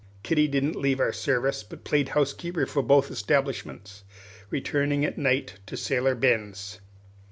Kitty didn't leave our service, but played housekeeper for both establishments, returning at night to Sailor Ben's.